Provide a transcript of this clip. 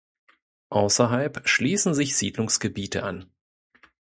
Außerhalb schließen sich Siedlungsgebiete an.